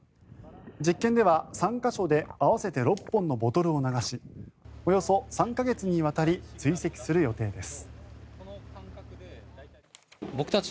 実験では３か所で合わせて６本のボトルを流しおよそ３か月にわたり追跡する予定です。